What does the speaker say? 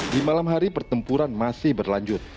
di malam hari pertempuran masih berlanjut